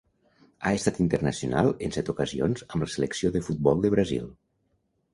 Ha estat internacional en set ocasions amb la selecció de futbol de Brasil.